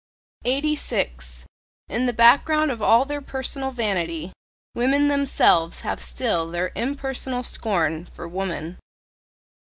86. In the background of all their personal vanity, women themselves have still their impersonal scorn for "woman".